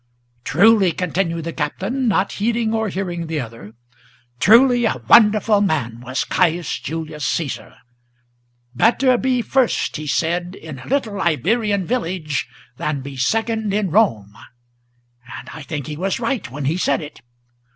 "Truly," continued the Captain, not heeding or hearing the other, "Truly a wonderful man was Caius Julius Caesar! Better be first, he said, in a little Iberian village, Than be second in Rome, and I think he was right when he said it.